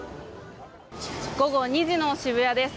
午後２時の渋谷です。